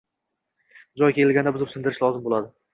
joyi kelganda buzib-sindirish lozim bo‘ladi.